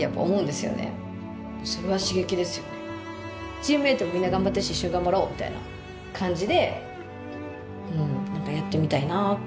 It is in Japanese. チームメートみんな頑張ってるし一緒に頑張ろうみたいな感じでうん何かやってみたいなって思いましたね。